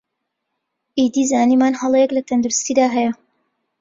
ئیدی زانیمان هەڵەیەک لە تەندروستیدا هەیە